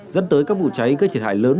dẫn tới các vụ cháy gây thiệt hại lớn